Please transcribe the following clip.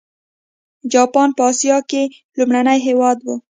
جاپان په اسیا کې لومړنی هېواد و.